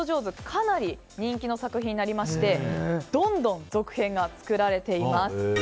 かなり人気の作品になりましてどんどん続編が作られています。